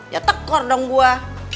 ya tekor dong gua